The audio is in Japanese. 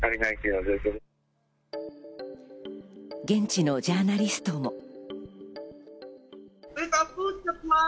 現地のジャーナリストも。